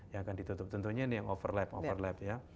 yang akan ditutup tentunya ini yang overlap